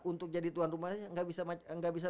untuk jadi tuan rumahnya gak bisa